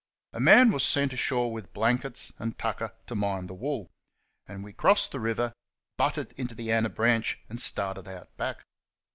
A man was sent ashore with blankets and tucker to mind the wool, and we crossed the river, butted into the anabranch, and started out back.